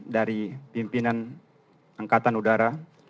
dari pimpinan angkatan udara